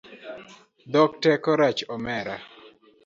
Dhok teko rach omera